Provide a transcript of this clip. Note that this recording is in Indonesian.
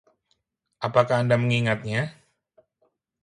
Apakah anda mengingatnya?